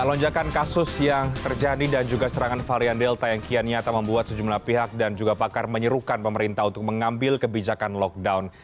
lonjakan kasus yang terjadi dan juga serangan varian delta yang kian nyata membuat sejumlah pihak dan juga pakar menyerukan pemerintah untuk mengambil kebijakan lockdown